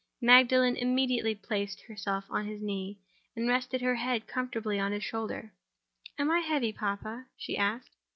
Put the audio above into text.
Magdalen immediately placed herself on his knee, and rested her head comfortably on his shoulder. "Am I heavy, papa?" she asked.